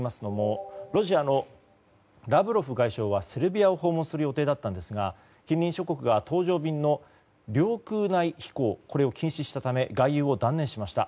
ロシアのラブロフ外相はセルビアを訪問する予定だったんですが近隣諸国が搭乗便の領空内飛行を禁止したため外遊を断念しました。